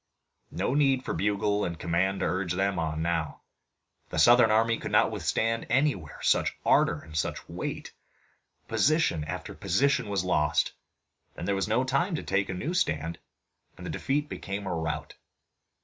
No need for bugle and command to urge them on now. The Southern army could not withstand anywhere such ardor and such weight. Position after position was lost, then there was no time to take a new stand, and the defeat became a rout.